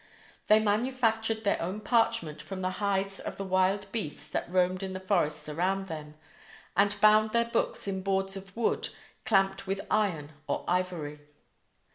They manufactured their own parchment from the hides of the wild beasts that roamed in the forests around them, and bound their books in boards of wood clamped with iron or ivory.